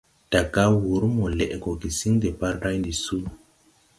Daga wǔr mo lɛʼgɔ gesiŋ deparday ndi suu.